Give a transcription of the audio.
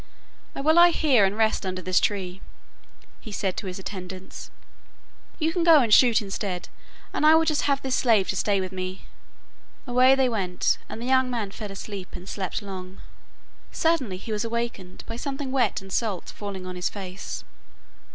'I will lie here and rest under this tree,' he said to his attendants. 'You can go and shoot instead, and I will just have this slave to stay with me!' Away they went, and the young man fell asleep, and slept long. Suddenly he was awakened by something wet and salt falling on his face.